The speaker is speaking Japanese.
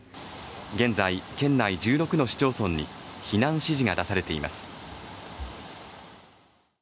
現在県内１６の市町村に避難指示が出されています